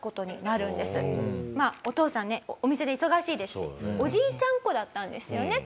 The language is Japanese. まあお父さんねお店で忙しいですしおじいちゃん子だったんですよね。